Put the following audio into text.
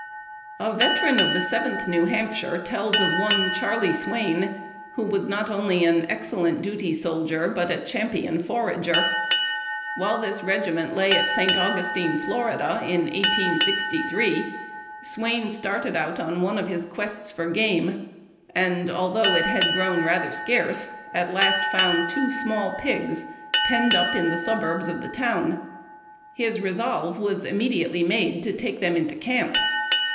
A veteran of the Seventh New Hampshire tells of one Charley Swain, who was not only an excellent duty soldier, A DILEMMA. but a champion forager. While this regiment lay at St. Augustine, Fla., in 1863, Swain started out on one of his quests for game, and, although it had grown rather scarce, at last found two small pigs penned up in the suburbs of the town. His resolve was immediately made to take them into camp.